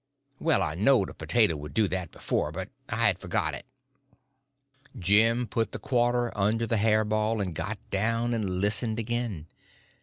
Well, I knowed a potato would do that before, but I had forgot it. Jim put the quarter under the hair ball, and got down and listened again.